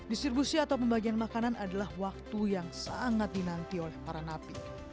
distribusi atau pembagian makanan adalah waktu yang sangat dinanti oleh para napi